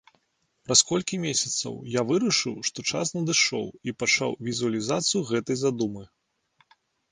Праз колькі месяцаў я вырашыў, што час надышоў, і пачаў візуалізацыю гэтай задумы.